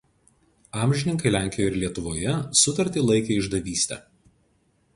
Amžininkai Lenkijoje ir Lietuvoje sutartį laikė išdavyste.